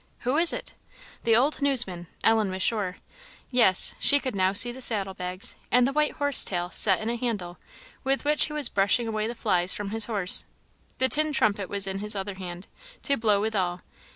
who is it? the old newsman! Ellen was sure. Yes she could now see the saddle bags, and the white horsetail set in a handle, with which he was brushing away the flies from his horse; the tin trumpet was in his other hand, to blow withal.